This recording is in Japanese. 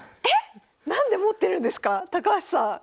えっ⁉何で持ってるんですか高橋さん。